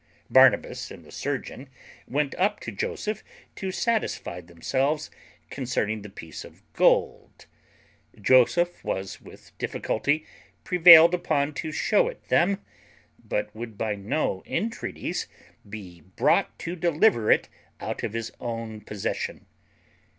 Barnabas and the surgeon went up to Joseph to satisfy themselves concerning the piece of gold; Joseph was with difficulty prevailed upon to show it them, but would by no entreaties be brought to deliver it out of his own possession.